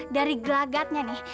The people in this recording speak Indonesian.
dari gelagatnya nih